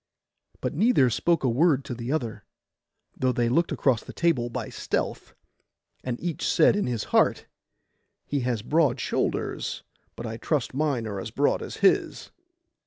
But neither spoke a word to the other, though they looked across the table by stealth; and each said in his heart, 'He has broad shoulders; but I trust mine are as broad as his.